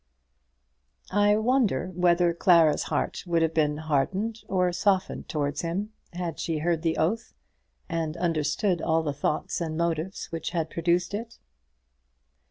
I wonder whether Clara's heart would have been hardened or softened towards him had she heard the oath, and understood all the thoughts and motives which had produced it.